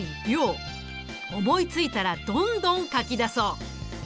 思いついたらどんどん書き出そう。